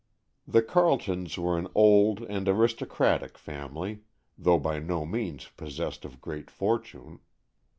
The Carletons were an old and aristocratic family, though by no means possessed of great fortune.